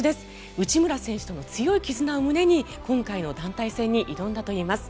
内村選手との強い絆を胸に今回の団体戦に挑んだといいます。